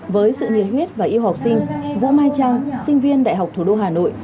với sự nhiệt huyết và yêu học sinh vũ mai trang sinh viên đại học thủ đô hà nội